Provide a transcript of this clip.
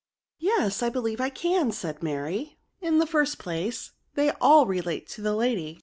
'* Yes, I believe I can, said Mary ;in the first place, they all relate to the lady.